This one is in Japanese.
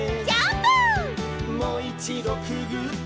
「もういちどくぐって」